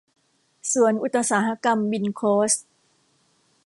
สวนอุตสาหกรรม วินโคสท์